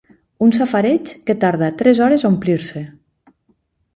Un safareig que tarda tres hores a omplir-se.